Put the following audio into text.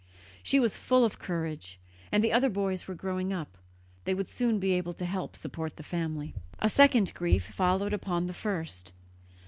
She was full of courage, and the other boys were growing up; they would soon be able to help to support the family. A second grief followed upon the first.